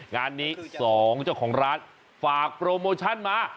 งานนี้๒เจ้าของร้านฝากโปรโมชั่นมา